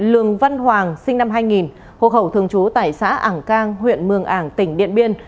lường văn hoàng sinh năm hai nghìn hộ khẩu thường trú tại xã ảng cang huyện mường ảng tỉnh điện biên